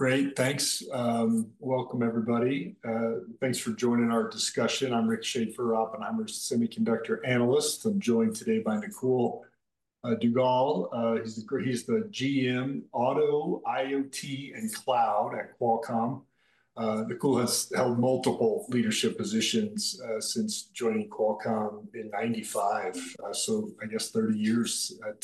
Great, thanks. Welcome everybody. Thanks for joining our discussion. I'm Rick Shaffer-Rop, and I'm a semiconductor analyst. I'm joined today by Nakul Duggal. He's the General Manager, Auto, IoT, and Cloud at Qualcomm. Nakul has held multiple leadership positions since joining Qualcomm in 1995. I guess 30 years at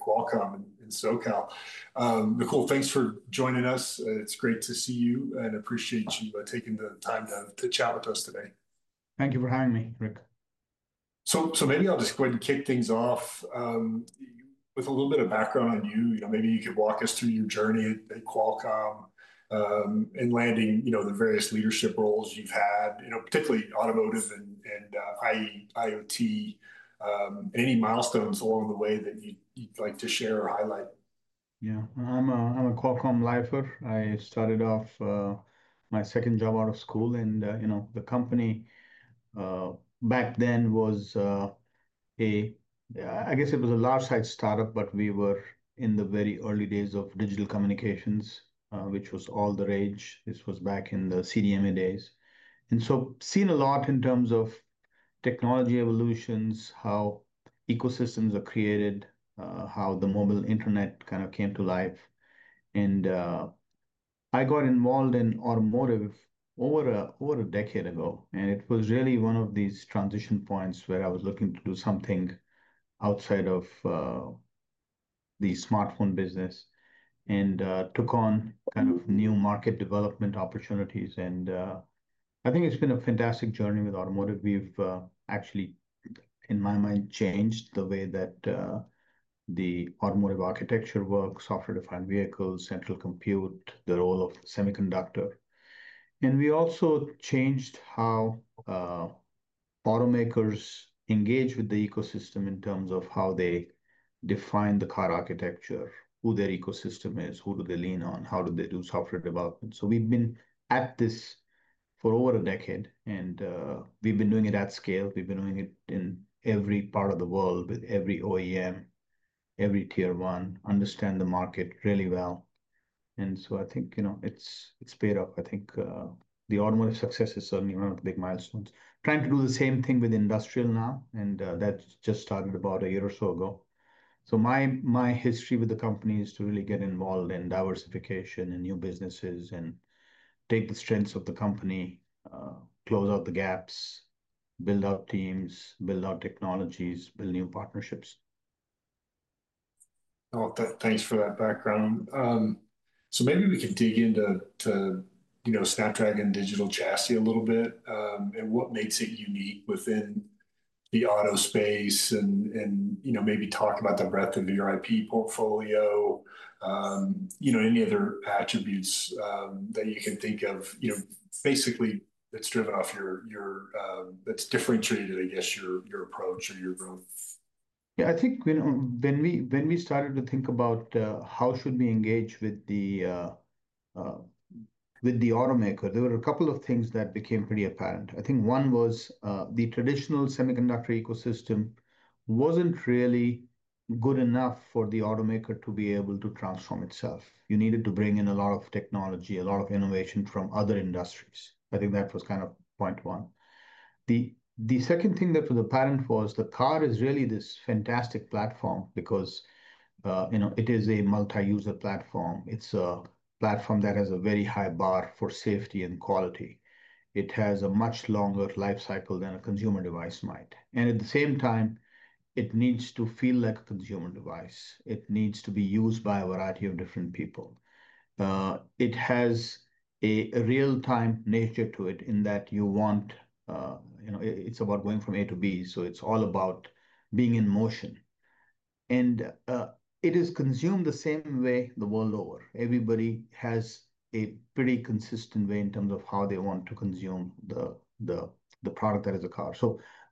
Qualcomm and SoCal. Nakul, thanks for joining us. It's great to see you and appreciate you taking the time to chat with us today. Thank you for having me, Rick. Maybe I'll just go ahead and kick things off with a little bit of background on you. You know, maybe you could walk us through your journey at Qualcomm and landing the various leadership roles you've had, particularly automotive and IoT. Any milestones along the way that you'd like to share or highlight? Yeah, I'm a Qualcomm lifer. I started off, my second job out of school and, you know, the company back then was, I guess it was a large-sized startup, but we were in the very early days of digital communications, which was all the rage. This was back in the CDMA days. I've seen a lot in terms of technology evolutions, how ecosystems are created, how the mobile internet kind of came to life. I got involved in automotive over a decade ago, and it was really one of these transition points where I was looking to do something outside of the smartphone business and took on kind of new market development opportunities. I think it's been a fantastic journey with automotive. We've actually, in my mind, changed the way that the automotive architecture works, software-defined vehicles, central compute, the role of semiconductor. We also changed how automakers engage with the ecosystem in terms of how they define the car architecture, who their ecosystem is, who do they lean on, how do they do software development. We've been at this for over a decade and we've been doing it at scale. We've been doing it in every part of the world with every OEM, every tier one, understand the market really well. I think it's paid off. I think the automotive success is certainly one of the big milestones. Trying to do the same thing with industrial now, and that just started about a year or so ago. My history with the company is to really get involved in diversification and new businesses and take the strengths of the company, close out the gaps, build out teams, build out technologies, build new partnerships. Thanks for that background. Maybe we can dig into Snapdragon Digital Chassis a little bit, and what makes it unique within the auto space. You know, maybe talk about the breadth of your IP portfolio, any other attributes that you can think of, basically that's driven off your, that's differentiated, I guess, your approach and your approach. Yeah, I think when we started to think about how should we engage with the automaker, there were a couple of things that became pretty apparent. I think one was, the traditional semiconductor ecosystem wasn't really good enough for the automaker to be able to transform itself. You needed to bring in a lot of technology, a lot of innovation from other industries. I think that was kind of point one. The second thing that was apparent was the car is really this fantastic platform because, you know, it is a multi-user platform. It's a platform that has a very high bar for safety and quality. It has a much longer lifecycle than a consumer device might. At the same time, it needs to feel like a consumer device. It needs to be used by a variety of different people. It has a real-time nature to it in that you want, you know, it's about going from A to B. It's all about being in motion. It is consumed the same way the world over. Everybody has a pretty consistent way in terms of how they want to consume the product that is a car.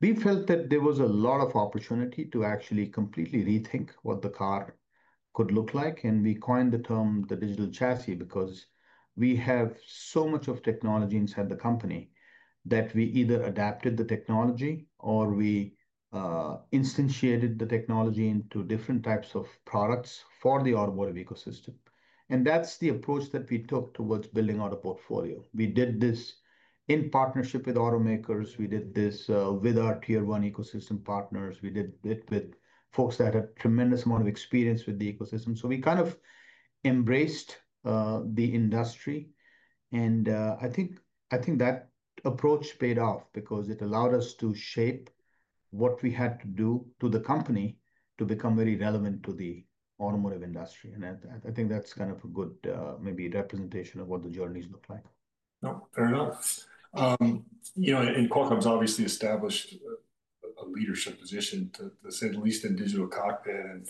We felt that there was a lot of opportunity to actually completely rethink what the car could look like. We coined the term the digital chassis because we have so much of technology inside the company that we either adapted the technology or we instantiated the technology into different types of products for the automotive ecosystem. That's the approach that we took towards building out a portfolio. We did this in partnership with automakers. We did this with our tier one ecosystem partners. We did it with folks that had a tremendous amount of experience with the ecosystem. We kind of embraced the industry. I think that approach paid off because it allowed us to shape what we had to do to the company to become very relevant to the automotive industry. I think that's kind of a good, maybe representation of what the journey's looked like. No, fair enough. You know, and Qualcomm's obviously established a leadership position, the Central Eastern Digital Cockpit.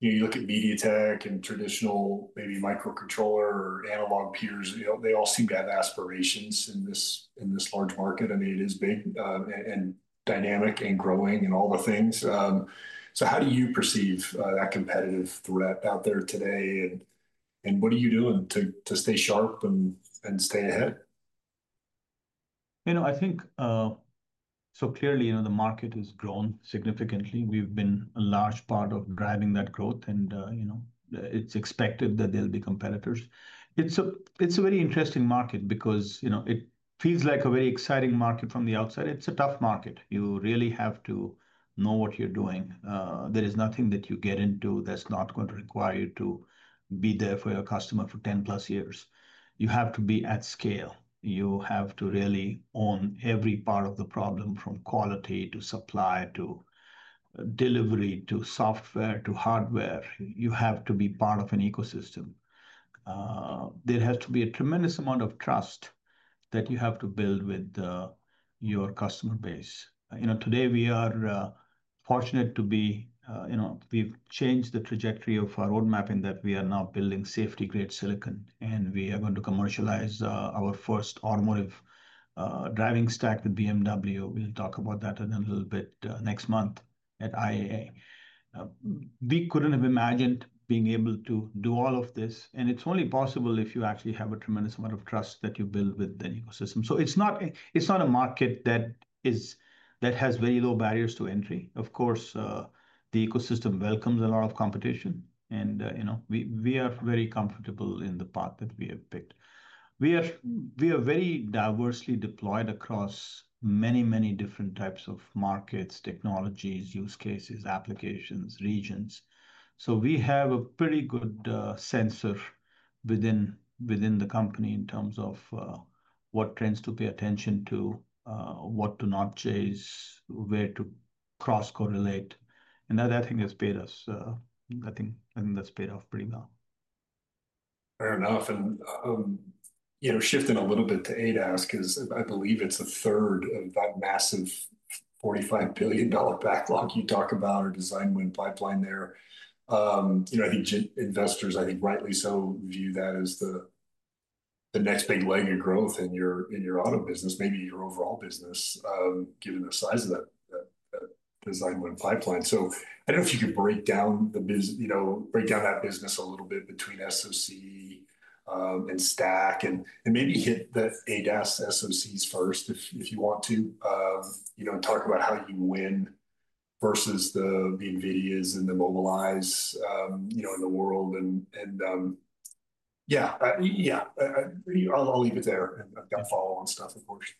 You know, you look at MediaTek and traditional maybe microcontroller or analog views, you know, they all seem to have aspirations in this, in this large market. I mean, it is big, and dynamic and growing and all the things. How do you perceive that competitive threat out there today? What are you doing to stay sharp and stay ahead? I think, clearly, the market has grown significantly. We've been a large part of driving that growth. It's expected that there'll be competitors. It's a very interesting market because it feels like a very exciting market from the outside. It's a tough market. You really have to know what you're doing. There is nothing that you get into that's not going to require you to be there for your customer for 10+ years. You have to be at scale. You have to really own every part of the problem from quality to supply to delivery to software to hardware. You have to be part of an ecosystem. There has to be a tremendous amount of trust that you have to build with your customer base. Today we are fortunate to be, we've changed the trajectory of our roadmap in that we are now building safety-grade silicon and we are going to commercialize our first automotive driving stack with BMW. We'll talk about that in a little bit next month at IAA. We couldn't have imagined being able to do all of this. It's only possible if you actually have a tremendous amount of trust that you build with the ecosystem. It's not a market that has very low barriers to entry. Of course, the ecosystem welcomes a lot of competition. We are very comfortable in the path that we have picked. We are very diversely deployed across many, many different types of markets, technologies, use cases, applications, regions. We have a pretty good sensor within the company in terms of what trends to pay attention to, what to not chase, where to cross-correlate. I think that has paid us, I think that's paid off pretty well. Fair enough. Shifting a little bit to ADAS, because I believe it's a third of that massive $45 billion backlog you talk about, or design win pipeline there. I think investors, I think rightly so, view that as the next big leg of growth in your auto business, maybe your overall business, given the size of that design win pipeline. I don't know if you could break down the business, break down that business a little bit between SoC and stack, and maybe hit the ADAS SoCs first if you want to talk about how you win versus the NVIDIAs and the Mobileyes in the world. I'll leave it there. I've got follow-on stuff, of course.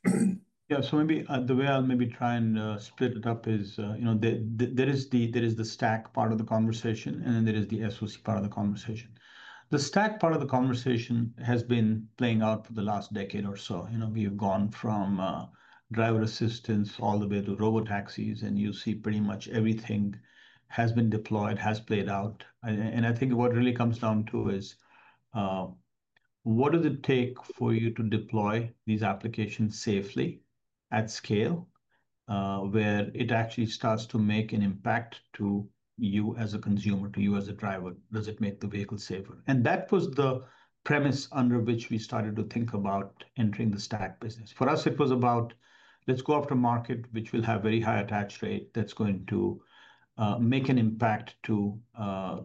Maybe the way I'll try and split it up is, you know, there is the stack part of the conversation, and then there is the SoC part of the conversation. The stack part of the conversation has been playing out for the last decade or so. We have gone from driver assistance all the way to robotaxis, and you see pretty much everything has been deployed, has played out. I think what it really comes down to is, what does it take for you to deploy these applications safely at scale, where it actually starts to make an impact to you as a consumer, to you as a driver? Does it make the vehicle safer? That was the premise under which we started to think about entering the stack business. For us, it was about, let's go after a market which will have a very high attach rate, that's going to make an impact to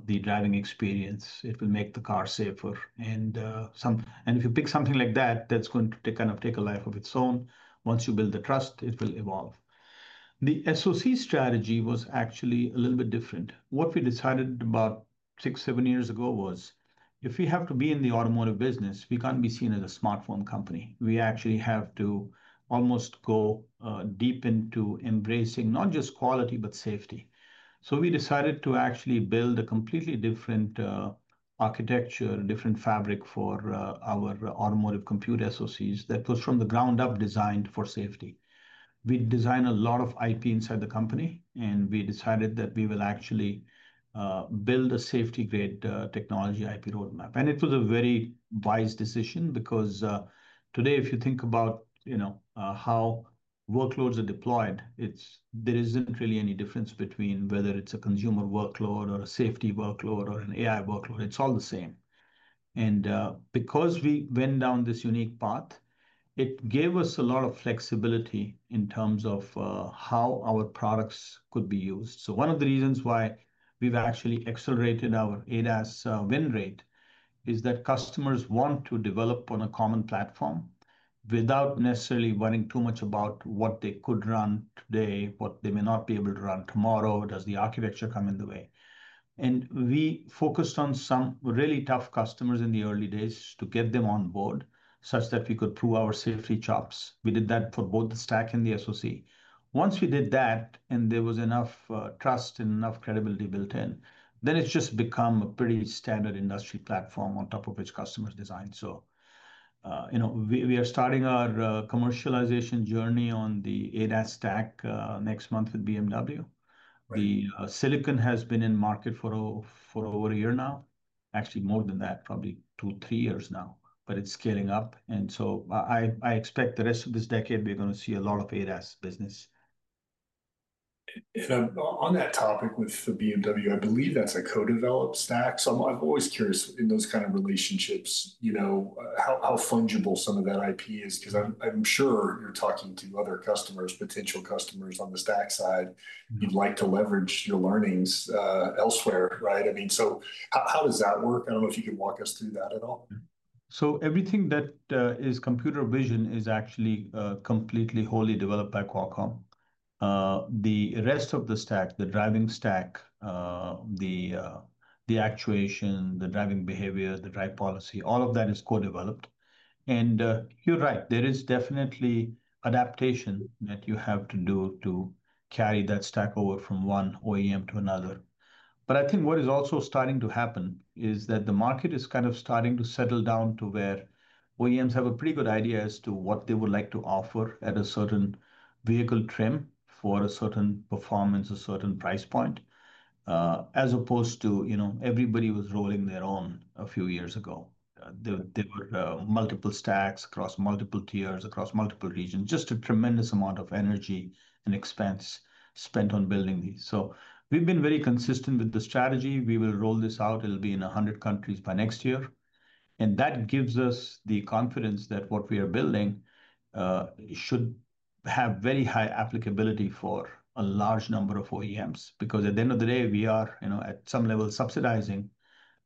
the driving experience. It will make the car safer. If you pick something like that, that's going to kind of take a life of its own. Once you build the trust, it will evolve. The SoC strategy was actually a little bit different. What we decided about six, seven years ago was if we have to be in the automotive business, we can't be seen as a smartphone company. We actually have to almost go deep into embracing not just quality, but safety. We decided to actually build a completely different architecture, different fabric for our automotive computer SoCs that was from the ground up designed for safety. We designed a lot of IP inside the company, and we decided that we will actually build a safety-grade technology IP roadmap. It was a very wise decision because, today if you think about how workloads are deployed, there isn't really any difference between whether it's a consumer workload or a safety workload or an AI workload. It's all the same. Because we went down this unique path, it gave us a lot of flexibility in terms of how our products could be used. One of the reasons why we've actually accelerated our ADAS win rate is that customers want to develop on a common platform without necessarily worrying too much about what they could run today, what they may not be able to run tomorrow, or does the architecture come in the way. We focused on some really tough customers in the early days to get them on board such that we could prove our safety chops. We did that for both the stack and the SoC. Once we did that, and there was enough trust and enough credibility built in, then it's just become a pretty standard industry platform on top of which customers design. We are starting our commercialization journey on the ADAS stack next month with BMW. The silicon has been in market for over a year now, actually more than that, probably two, three years now, but it's scaling up. I expect the rest of this decade we're going to see a lot of ADAS business. On that topic with BMW, I believe that's a co-developed stack. I'm always curious in those kinds of relationships, you know, how fungible some of that IP is, because I'm sure you're talking to other customers, potential customers on the stack side, and you'd like to leverage your earnings elsewhere, right? I mean, how does that work? I don't know if you can walk us through that at all. Everything that is computer vision is actually completely, wholly developed by Qualcomm. The rest of the stack, the driving stack, the actuation, the driving behavior, the drive policy, all of that is co-developed. You're right, there is definitely adaptation that you have to do to carry that stack over from one OEM to another. I think what is also starting to happen is that the market is kind of starting to settle down to where OEMs have a pretty good idea as to what they would like to offer at a certain vehicle trim for a certain performance, a certain price point, as opposed to, you know, everybody was rolling their own a few years ago. There were multiple stacks across multiple tiers, across multiple regions, just a tremendous amount of energy and expense spent on building these. We've been very consistent with the strategy. We will roll this out. It'll be in 100 countries by next year. That gives us the confidence that what we are building should have very high applicability for a large number of OEMs because at the end of the day, we are, you know, at some level subsidizing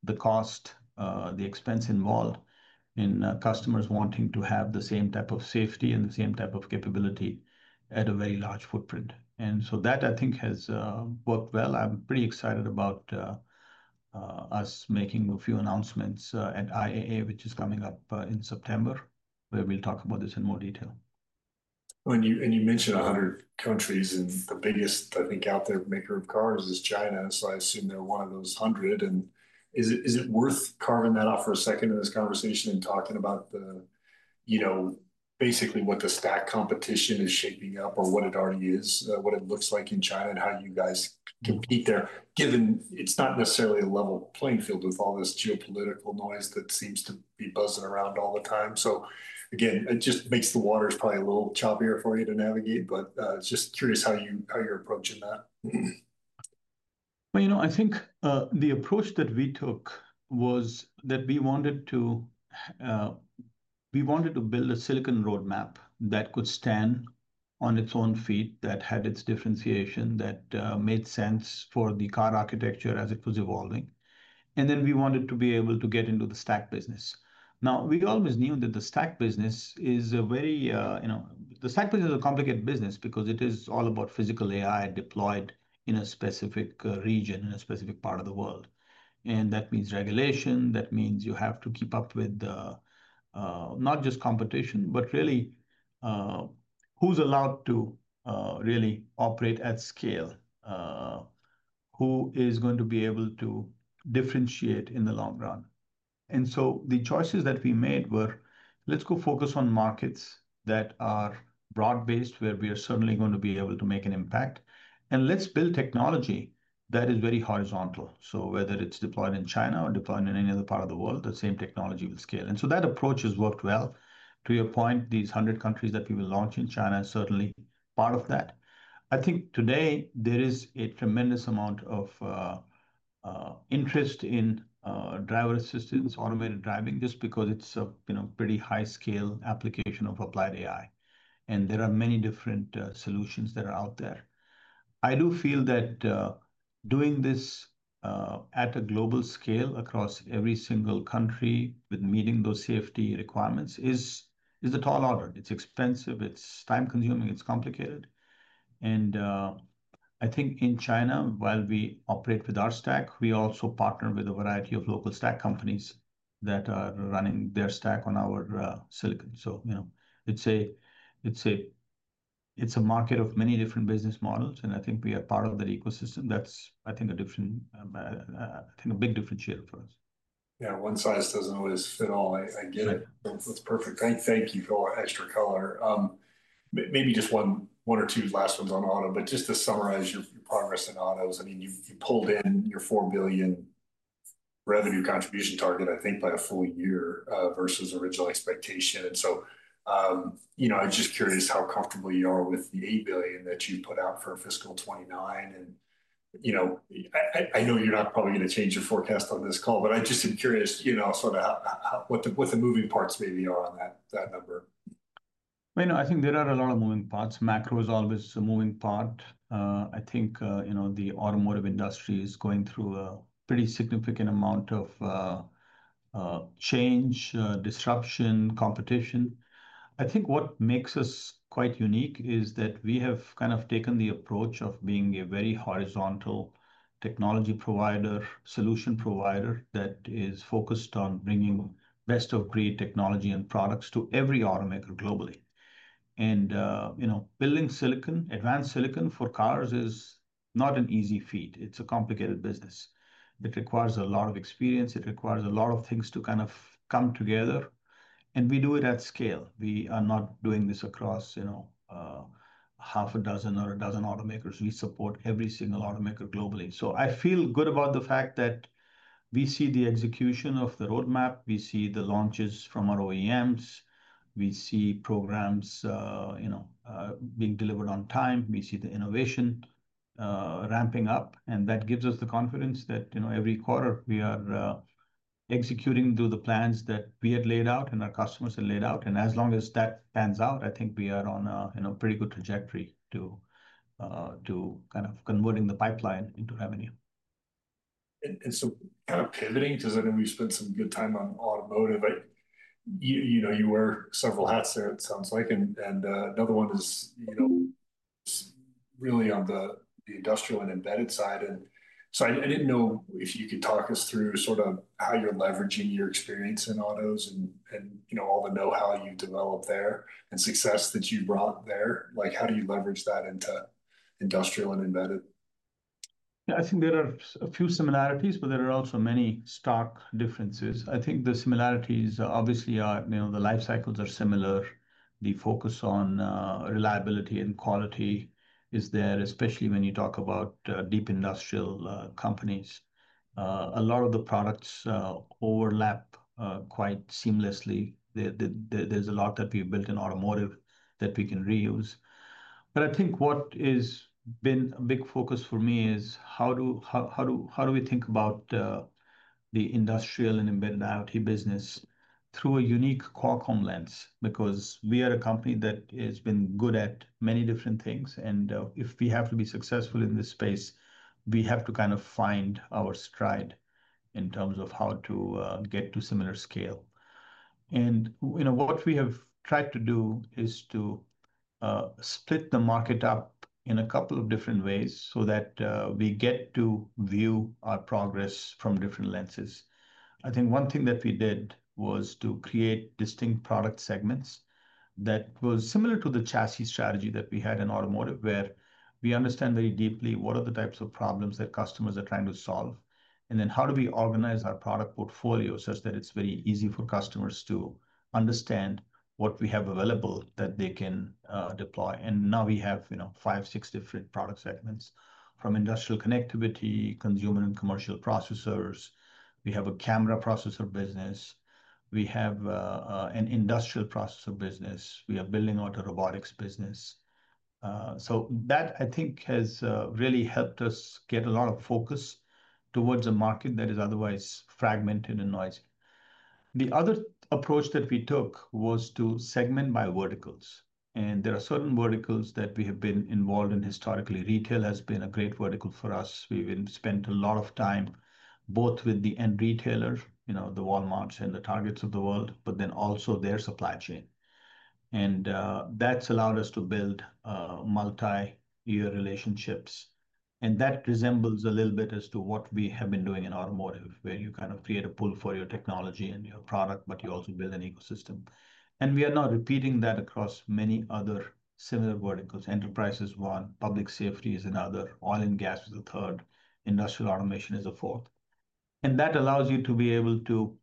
the cost, the expense involved in customers wanting to have the same type of safety and the same type of capability at a very large footprint. I think that has worked well. I'm pretty excited about us making a few announcements at IAA, which is coming up in September, where we'll talk about this in more detail. You mentioned 100 countries and the biggest, I think, out there maker of cars is China. I assume they're one of those 100. Is it worth carving that out for a second in this conversation and talking about basically what the stack competition is shaping up or what it already is, what it looks like in China and how you guys compete there, given it's not necessarily a level playing field with all this geopolitical noise that seems to be buzzing around all the time? It just makes the waters probably a little choppier for you to navigate, but just curious how you're approaching that. I think the approach that we took was that we wanted to build a silicon roadmap that could stand on its own feet, that had its differentiation, that made sense for the car architecture as it was evolving. We wanted to be able to get into the stack business. We always knew that the stack business is a very, you know, the stack business is a complicated business because it is all about physical AI deployed in a specific region, in a specific part of the world. That means regulation, that means you have to keep up with not just competition, but really, who's allowed to really operate at scale, who is going to be able to differentiate in the long run. The choices that we made were, let's go focus on markets that are broad-based, where we are certainly going to be able to make an impact. Let's build technology that is very horizontal. Whether it's deployed in China or deployed in any other part of the world, the same technology will scale. That approach has worked well. To your point, these 100 countries that we will launch in China are certainly part of that. I think today there is a tremendous amount of interest in driver assistance, automated driving, just because it's a pretty high-scale application of applied AI. There are many different solutions that are out there. I do feel that doing this at a global scale across every single country with meeting those safety requirements is the tall order. It's expensive, it's time-consuming, it's complicated. I think in China, while we operate with our stack, we also partner with a variety of local stack companies that are running their stack on our silicon. It's a market of many different business models. I think we are part of that ecosystem. That's a big differentiator for us. Yeah, one size doesn't always fit all. I get it. That's perfect. Thank you for all that extra color. Maybe just one or two last ones on auto, but just to summarize your progress in autos, I mean, you pulled in your $4 billion revenue contribution target, I think, by a full year versus the original expectation. I'm just curious how comfortable you are with the $8 billion that you put out for fiscal 2029. I know you're not probably going to change your forecast on this call, but I just am curious what the moving parts maybe are on that number. I think there are a lot of moving parts. Macro is always a moving part. I think the automotive industry is going through a pretty significant amount of change, disruption, competition. What makes us quite unique is that we have kind of taken the approach of being a very horizontal technology provider, solution provider that is focused on bringing best-of-breed technology and products to every automaker globally. Building advanced silicon for cars is not an easy feat. It's a complicated business. It requires a lot of experience. It requires a lot of things to kind of come together. We do it at scale. We are not doing this across half a dozen or a dozen automakers. We support every single automaker globally. I feel good about the fact that we see the execution of the roadmap. We see the launches from our OEMs. We see programs being delivered on time. We see the innovation ramping up. That gives us the confidence that every quarter we are executing through the plans that we had laid out and our customers had laid out. As long as that pans out, I think we are on a pretty good trajectory to kind of converting the pipeline into revenue. Pivoting to something we spent some good time on, automotive, you wear several hats there, it sounds like. Another one is really on the industrial and embedded side. I didn't know if you could talk us through how you're leveraging your experience in autos and all the know-how you developed there and success that you brought there. How do you leverage that into industrial and embedded? Yeah, I think there are a few similarities, but there are also many stark differences. I think the similarities obviously are, you know, the life cycles are similar. The focus on reliability and quality is there, especially when you talk about deep industrial companies. A lot of the products overlap quite seamlessly. There's a lot that we've built in automotive that we can reuse. What has been a big focus for me is how do we think about the industrial and embedded IoT business through a unique Qualcomm lens? Because we are a company that has been good at many different things. If we have to be successful in this space, we have to kind of find our stride in terms of how to get to similar scale. You know, what we have tried to do is to split the market up in a couple of different ways so that we get to view our progress from different lenses. I think one thing that we did was to create distinct product segments that were similar to the chassis strategy that we had in automotive, where we understand very deeply what are the types of problems that customers are trying to solve. Then how do we organize our product portfolio such that it's very easy for customers to understand what we have available that they can deploy. Now we have, you know, five, six different product segments from industrial connectivity, consumer and commercial processors. We have a camera processor business. We have an industrial processor business. We are building out a robotics business. That, I think, has really helped us get a lot of focus towards a market that is otherwise fragmented and noisy. The other approach that we took was to segment by verticals. There are certain verticals that we have been involved in historically. Retail has been a great vertical for us. We've spent a lot of time both with the end retailer, you know, the Walmarts and the Targets of the world, but then also their supply chain. That's allowed us to build multi-year relationships. That resembles a little bit as to what we have been doing in automotive, where you kind of create a pool for your technology and your product, but you also build an ecosystem. We are now repeating that across many other similar verticals. Enterprise is one, public safety is another, oil and gas is a third, industrial automation is a fourth. That allows you to be able to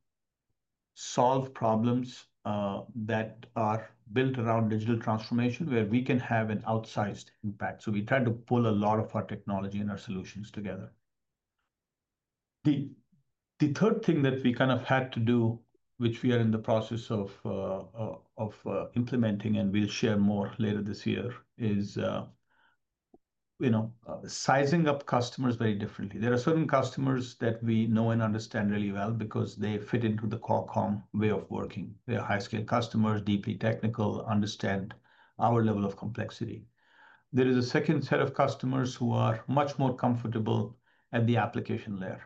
solve problems that are built around digital transformation, where we can have an outsized impact. We tried to pull a lot of our technology and our solutions together. The third thing that we kind of had to do, which we are in the process of implementing, and we'll share more later this year, is sizing up customers very differently. There are certain customers that we know and understand really well because they fit into the Qualcomm way of working. They are high-skilled customers, deeply technical, understand our level of complexity. There is a second set of customers who are much more comfortable at the application layer,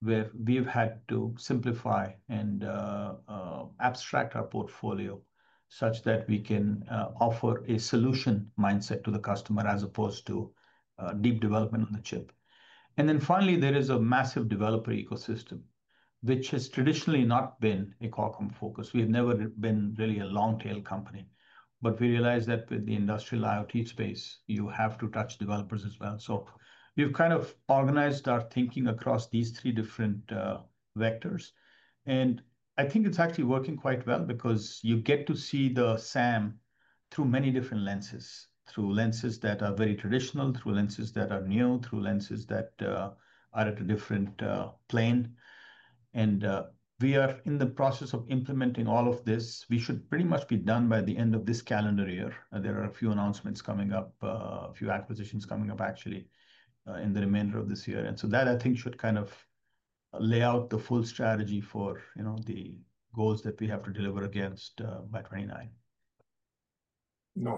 where we've had to simplify and abstract our portfolio such that we can offer a solution mindset to the customer as opposed to deep development on the chip. Finally, there is a massive developer ecosystem, which has traditionally not been a Qualcomm focus. We've never been really a long-tail company, but we realized that with the industrial IoT space, you have to touch developers as well. We've kind of organized our thinking across these three different vectors. I think it's actually working quite well because you get to see the SAM through many different lenses, through lenses that are very traditional, through lenses that are new, through lenses that are at a different plane. We are in the process of implementing all of this. We should pretty much be done by the end of this calendar year. There are a few announcements coming up, a few acquisitions coming up, actually, in the remainder of this year. That should kind of lay out the full strategy for the goals that we have to deliver against by 2029. No,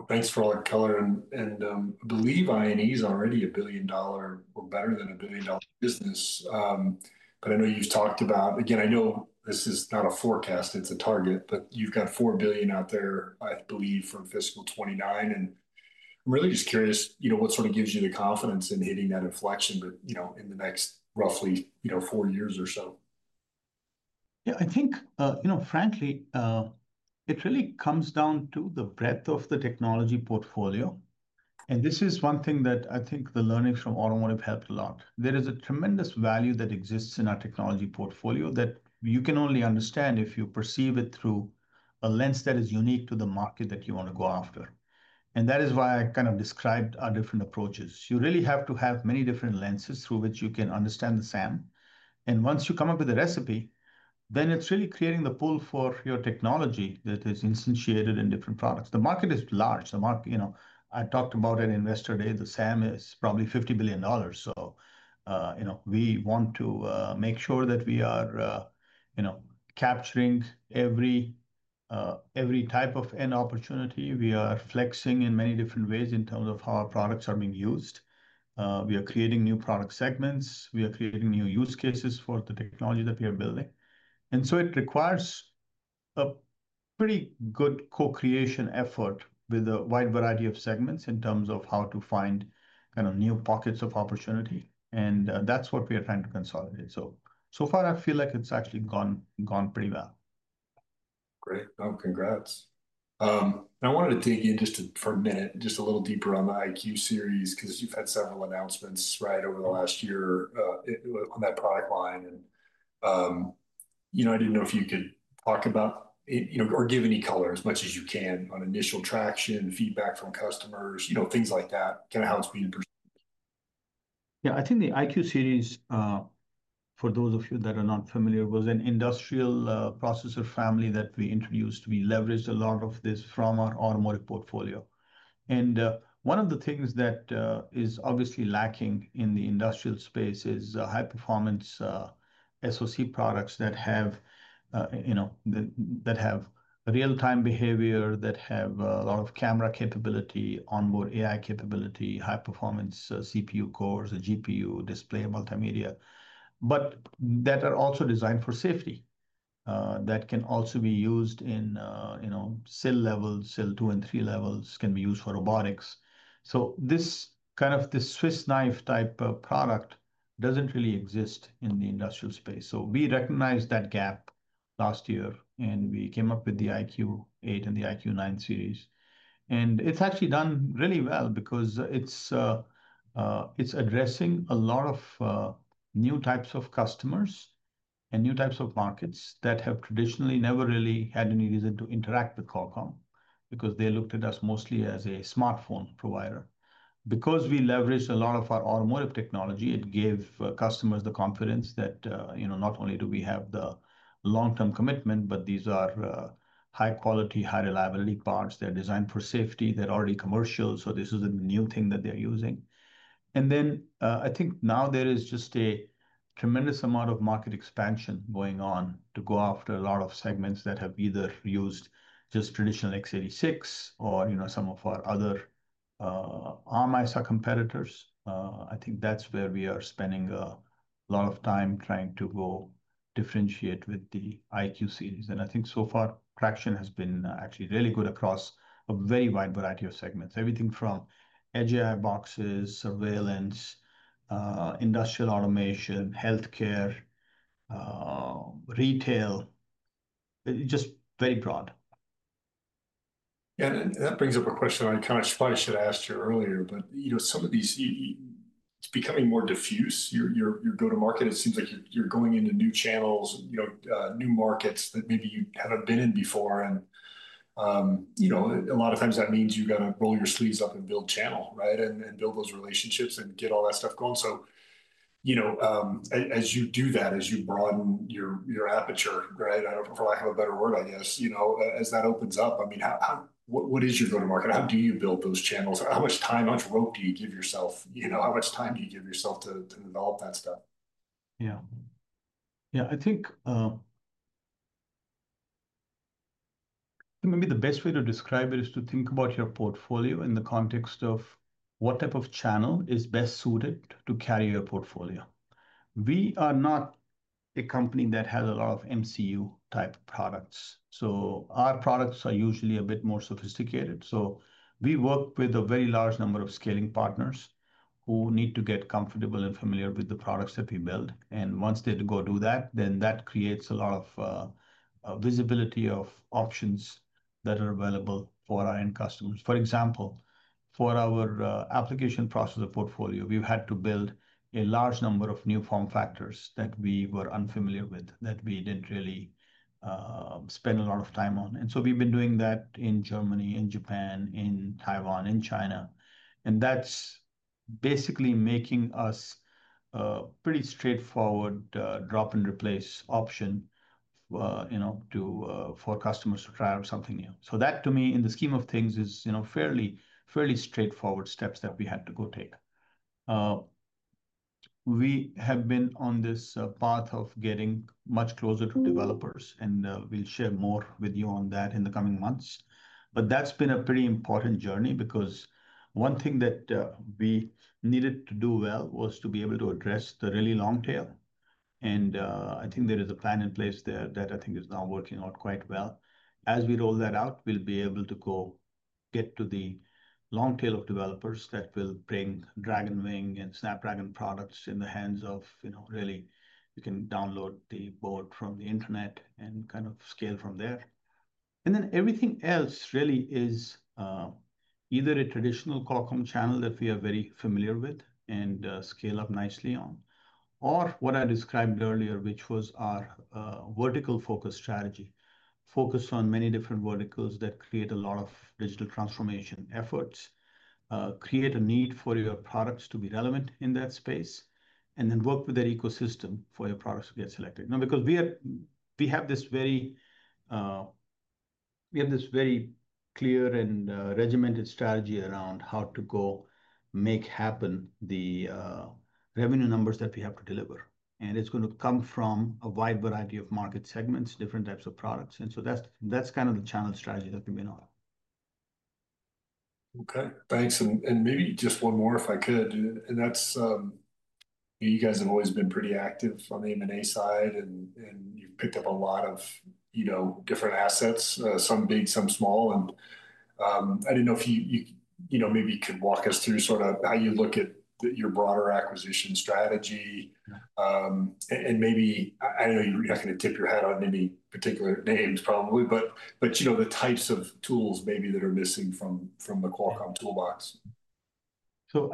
thanks for all the color. I believe INE is already a billion dollar or better than a billion dollar business, but I know you've talked about, again, I know this is not a forecast, it's a target, but you've got $4 billion out there, I believe, from fiscal 2029. I'm really just curious what sort of gives you the confidence in hitting that inflection in the next roughly four years or so? Yeah, I think, you know, frankly, it really comes down to the breadth of the technology portfolio. This is one thing that I think the learnings from automotive helped a lot. There is a tremendous value that exists in our technology portfolio that you can only understand if you perceive it through a lens that is unique to the market that you want to go after. That is why I kind of described our different approaches. You really have to have many different lenses through which you can understand the SAM. Once you come up with a recipe, then it's really creating the pool for your technology that is instantiated in different products. The market is large. The market, you know, I talked about it in Investor Day, the SAM is probably $50 billion. We want to make sure that we are, you know, capturing every, every type of end opportunity. We are flexing in many different ways in terms of how our products are being used. We are creating new product segments. We are creating new use cases for the technology that we are building. It requires a pretty good co-creation effort with a wide variety of segments in terms of how to find kind of new pockets of opportunity. That's what we are trying to consolidate. So far I feel like it's actually gone pretty well. Great. Oh, congrats. I wanted to dig in just for a minute, just a little deeper on my IQ series because you've had several announcements right over the last year on that product line. I didn't know if you could talk about, you know, or give any color as much as you can on initial traction, feedback from customers, things like that, kind of how it's been. Yeah, I think the IQ series, for those of you that are not familiar, was an industrial processor family that we introduced. We leveraged a lot of this from our automotive portfolio. One of the things that is obviously lacking in the industrial space is high-performance SoC products that have, you know, real-time behavior, that have a lot of camera capability, onboard AI capability, high-performance CPU cores, a GPU, display, multimedia, but that are also designed for safety, that can also be used in, you know, cell levels, cell two and three levels, can be used for robotics. This kind of Swiss knife type of product doesn't really exist in the industrial space. We recognized that gap last year and we came up with the IQ8 and the IQ9 series. It's actually done really well because it's addressing a lot of new types of customers and new types of markets that have traditionally never really had any reason to interact with Qualcomm because they looked at us mostly as a smartphone provider. Because we leveraged a lot of our automotive technology, it gave customers the confidence that, you know, not only do we have the long-term commitment, but these are high quality, high reliability parts. They're designed for safety. They're already commercial. This is a new thing that they're using. I think now there is just a tremendous amount of market expansion going on to go after a lot of segments that have either used just traditional x86 or, you know, some of our other ARM ISA competitors. I think that's where we are spending a lot of time trying to go differentiate with the IQ series. I think so far traction has been actually really good across a very wide variety of segments. Everything from edge AI boxes, surveillance, industrial automation, healthcare, retail, just very broad. Yeah, that brings up a question I kind of thought I should have asked you earlier. Some of these, it's becoming more diffuse. You're going to market, it seems like you're going into new channels, new markets that maybe you haven't been in before. A lot of times that means you got to roll your sleeves up and build channel, right? Build those relationships and get all that stuff going. As you do that, as you broaden your aperture, right? I don't know if I have a better word, I guess, as that opens up, I mean, what is your go-to-market? How do you build those channels? How much time, how much rope do you give yourself? How much time do you give yourself to develop that stuff? Yeah. Yeah, I think maybe the best way to describe it is to think about your portfolio in the context of what type of channel is best suited to carry your portfolio. We are not a company that has a lot of MCU type products. Our products are usually a bit more sophisticated. We work with a very large number of scaling partners who need to get comfortable and familiar with the products that we build. Once they do that, that creates a lot of visibility of options that are available for our end customers. For example, for our application processor portfolio, we've had to build a large number of new form factors that we were unfamiliar with, that we didn't really spend a lot of time on. We've been doing that in Germany, in Japan, in Taiwan, in China. That's basically making us a pretty straightforward drop and replace option for customers to try out something new. That to me, in the scheme of things, is fairly straightforward steps that we had to go take. We have been on this path of getting much closer to developers, and we'll share more with you on that in the coming months. That's been a pretty important journey because one thing that we needed to do well was to be able to address the really long tail. I think there is a plan in place there that I think is now working out quite well. As we roll that out, we'll be able to go get to the long tail of developers that will bring Dragonwing and Snapdragon products in the hands of, you know, really, you can download the board from the internet and kind of scale from there. Everything else really is either a traditional Qualcomm channel that we are very familiar with and scale up nicely on, or what I described earlier, which was our vertical focus strategy, focused on many different verticals that create a lot of digital transformation efforts, create a need for your products to be relevant in that space, and then work with their ecosystem for your products to get selected. We have this very clear and regimented strategy around how to go make happen the revenue numbers that we have to deliver. It's going to come from a wide variety of market segments, different types of products. That's kind of the channel strategy that we've been on. Okay, thanks. Maybe just one more if I could, and that's, you guys have always been pretty active on the M&A side, and you've picked up a lot of, you know, different assets, some big, some small. I didn't know if you, you know, maybe you could walk us through sort of how you look at your broader acquisition strategy, and maybe, I don't know, you're not going to tip your hat on any particular names probably, but you know, the types of tools maybe that are missing from the Qualcomm toolbox.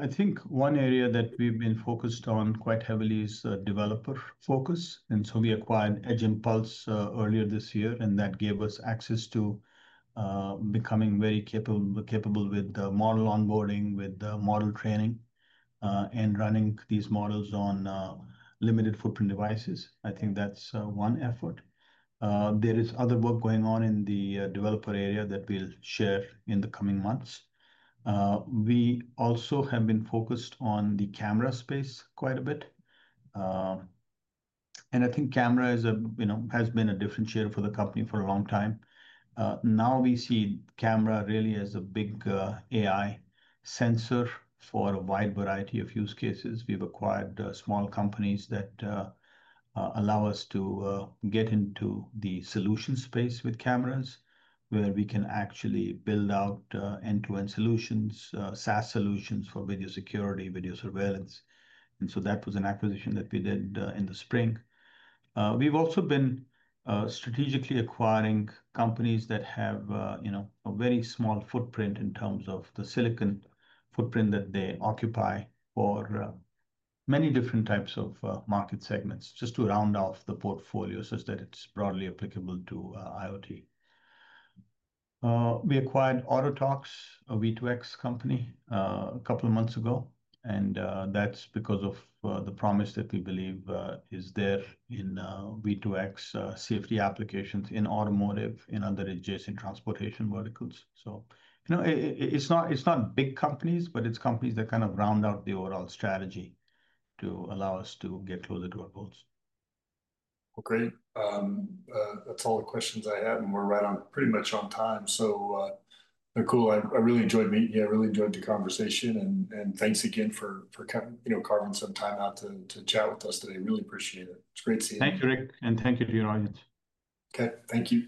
I think one area that we've been focused on quite heavily is a developer focus. We acquired Edge Impulse earlier this year, and that gave us access to becoming very capable with the model onboarding, with the model training, and running these models on limited footprint devices. I think that's one effort. There is other work going on in the developer area that we'll share in the coming months. We also have been focused on the camera space quite a bit. I think camera has been a differentiator for the company for a long time. Now we see camera really as a big AI sensor for a wide variety of use cases. We've acquired small companies that allow us to get into the solution space with cameras, where we can actually build out end-to-end solutions, SaaS solutions for video security, video surveillance. That was an acquisition that we did in the spring. We've also been strategically acquiring companies that have a very small footprint in terms of the silicon footprint that they occupy for many different types of market segments, just to round off the portfolio such that it's broadly applicable to IoT. We acquired AutoTalks, a V2X company, a couple of months ago. That's because of the promise that we believe is there in V2X, safety applications in automotive and other adjacent transportation verticals. It's not big companies, but it's companies that kind of round out the overall strategy to allow us to get closer to our goals. That's all the questions I have, and we're right on pretty much on time. I really enjoyed meeting you. I really enjoyed the conversation, and thanks again for coming, you know, carving some time out to chat with us today. Really appreciate it. It's great seeing you. Thank you, Rick. Thank you to your audience. Okay, thank you.